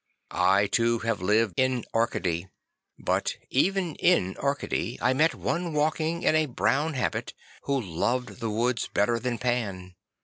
I too have lived in Arcady; but even in Arcady I met one walking in a brown habit who loved the woods better than Pan.